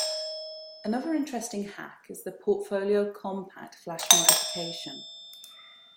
Another interesting hack is the Portfolio Compact Flash modification.